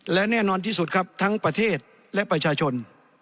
และแน่นอนที่สุดครับทั้งประเทศและประชาชน